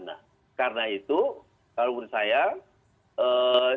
nah karena itu kalau menurut saya setiap orang harus punya kemampuan